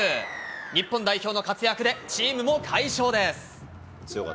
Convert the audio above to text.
日本代表の活躍で、チームも快勝です。